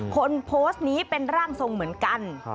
โพสต์นี้เป็นร่างทรงเหมือนกัน